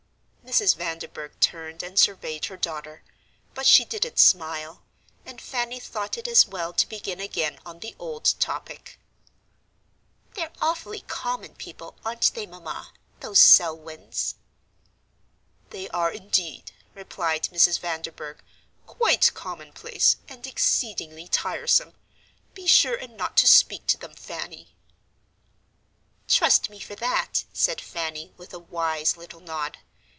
Mrs. Vanderburgh turned and surveyed her daughter; but she didn't smile, and Fanny thought it as well to begin again on the old topic. "They're awfully common people, aren't they, Mamma, those Selwyns?" "They are, indeed," replied Mrs. Vanderburgh, "quite commonplace, and exceedingly tiresome; be sure and not speak to them, Fanny." "Trust me for that," said Fanny, with a wise little nod.